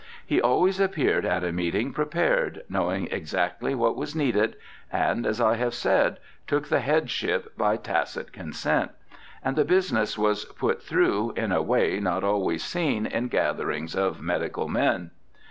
He always appeared at a meeting prepared, knowing exactly what was needed, and, as I have said, took the headship by tacit consent ; and the business was ' put through' in a way not always seen in gatherings of medical men.